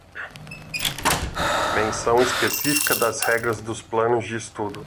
Menção específica das regras dos planos de estudo.